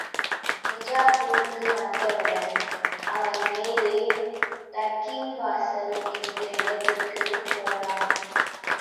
நிஜாப்பூருக்கு வந்தவுடன் அவன், நேரே தக்கின் வாசல் என்கிற இடத்திற்குப் போனான்.